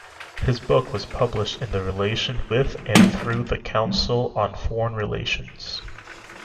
His book was published in relation with and through the Council on Foreign Relations.